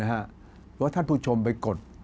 เพราะท่านผู้ชมไปกด